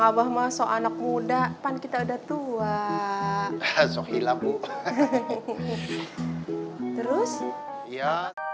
allah masuk anak muda pan kita udah tua sohilabu terus ya